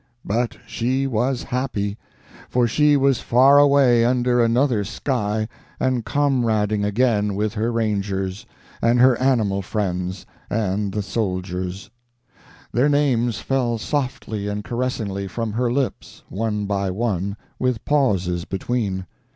But she was happy, for she was far away under another sky, and comrading again with her Rangers, and her animal friends, and the soldiers. Their names fell softly and caressingly from her lips, one by one, with pauses between.